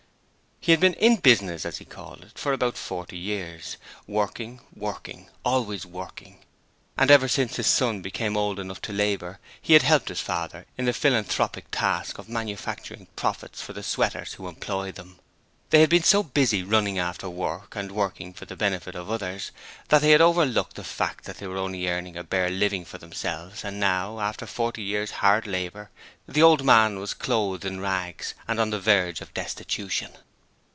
He had been 'in business' as he called it for about forty years working, working, always working; and ever since his son became old enough to labour he had helped his father in the philanthropic task of manufacturing profits for the sweaters who employed them. They had been so busy running after work, and working for the benefit of others, that they had overlooked the fact that they were only earning a bare living for themselves and now, after forty years' hard labour, the old man was clothed in rags and on the verge of destitution.